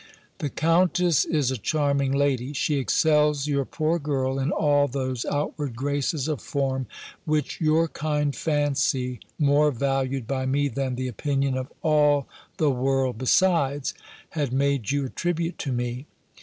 "The Countess is a charming lady. She excels your poor girl in all those outward graces of form, which your kind fancy (more valued by me than the opinion of all the world besides) had made you attribute to me.